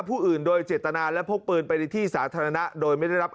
ผู้อื่นโดยเจตนาและพกปืนไปในที่สาธารณะโดยไม่ได้รับ